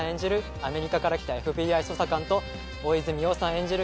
アメリカから来たＦＢＩ捜査官と大泉洋さん演じる